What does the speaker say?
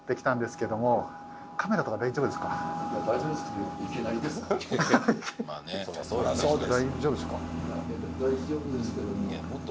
大丈夫ですけど。